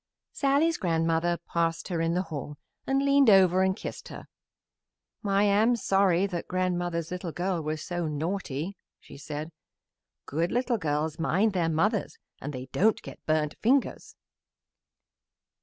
Sallie's grandmother passed her in the hall and leaned over and kissed her. "I am sorry that grandmother's little girl was so naughty," she said. "Good little girls mind their mothers and they don't get burnt fingers."